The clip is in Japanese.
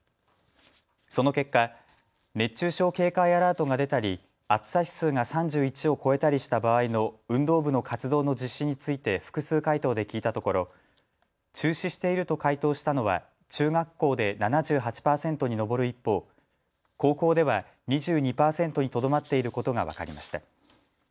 その結果、熱中症警戒アラートが出たり、暑さ指数が３１を超えたりした場合の運動部の活動の実施について複数回答で聞いたところ、中止していると回答したのは中学校で７８％に上る一方、高校では２２％にとどまっていることが分かりました。